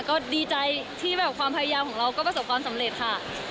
ก็ดีใจที่แบบความพยายามของเราก็ประสบความสำเร็จค่ะ